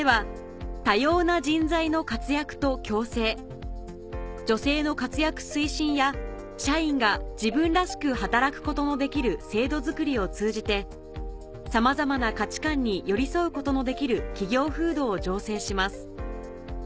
３つ目は女性の活躍推進や社員が自分らしく働くことのできる制度作りを通じてさまざまな価値観に寄り添うことのできる企業風土を醸成します